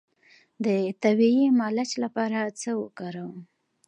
د طبیعي ملچ لپاره څه وکاروم؟